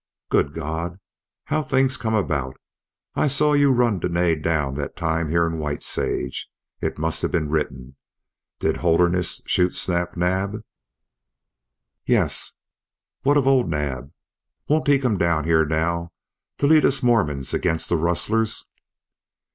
"Good God! How things come about! I saw you run Dene down that time here in White Sage. It must have been written. Did Holderness shoot Snap Naab?" "Yes." "What of old Naab? Won't he come down here now to lead us Mormons against the rustlers?"